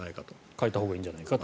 変えたほうがいいんじゃないかと。